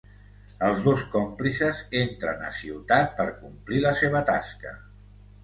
Els dos còmplices entren a ciutat per complir la seva tasca.